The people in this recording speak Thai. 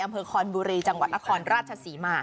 อำเภอคอนบุรีจังหวัดอาคอนราชสีมาก